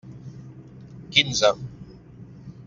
Quinze.